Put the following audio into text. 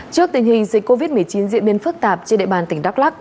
trước tình hình dịch covid một mươi chín diễn biến phức tạp trên địa bàn tỉnh đắk lắc